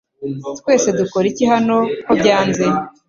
Twese dukora iki hano ko byanze?